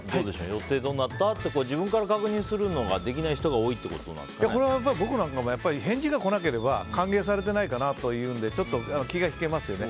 予定どうなった？って自分から確認することができない人がこれは、僕なんかも返事が来なければ歓迎されてないかなというので気が引けますよね。